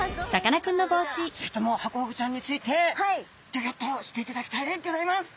ぜひともハコフグちゃんについてギョギョッと知っていただきたいでギョざいます。